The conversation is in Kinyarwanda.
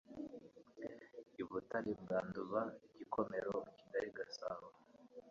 I Butare bwa Nduba Gikomero Kigali Gasabo